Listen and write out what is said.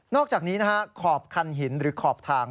อกจากนี้นะฮะขอบคันหินหรือขอบทาง